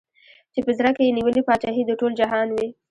چي په زړه کي یې نیولې پاچهي د ټول جهان وي